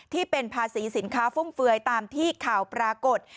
ที่เป็นภาษีสินค้าฟุ่มเฟือยตามที่ข่าวปรากฏ